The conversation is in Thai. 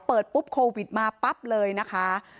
เปิดปุ๊บโควิดมาปั๊บเลยนะคะ